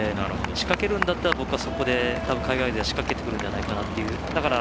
仕掛けるんだったら僕はそこで海外勢は仕掛けてくるんじゃないかなと。